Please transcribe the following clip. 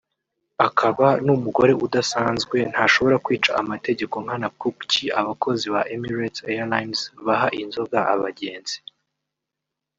akaba n’ umugore udasanzwe ntashobora kwica amategeko nkana kuki abakozi ba Emirates Airlines baha inzoga abagenzi